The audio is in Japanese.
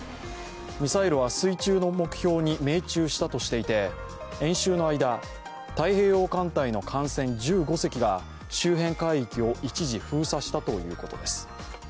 ミサイルは水中の目標に命中したとしていて演習の間太平洋艦隊の艦船１５隻が周辺海域を一時封鎖したということです。